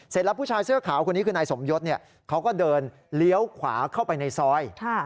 ผู้ชายเสื้อขาวคนนี้คือนายสมยศเขาก็เดินเลี้ยวขวาเข้าไปในซอย